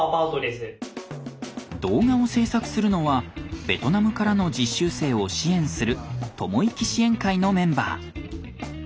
動画を制作するのはベトナムからの実習生を支援するともいき支援会のメンバー。